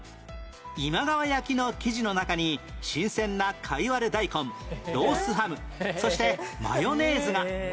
今川焼の生地の中に新鮮なカイワレダイコンロースハムそしてマヨネーズが